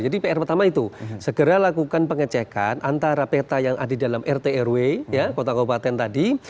jadi pr pertama itu segera lakukan pengecekan antara peta yang ada di dalam rt rw kota kabupaten tadi